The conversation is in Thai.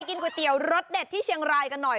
กินก๋วยเตี๋ยวรสเด็ดที่เชียงรายกันหน่อย